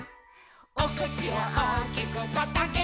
「おくちをおおきくパッとあけて」